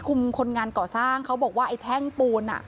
คนงานก่อสร้างเขาบอกว่าไอ้แท่งปูนอ่ะ